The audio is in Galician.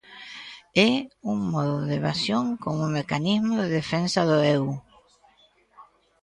É un modo de evasión como mecanismo de defensa do eu.